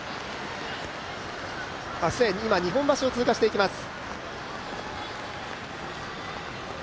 日本橋を今、通過していきます。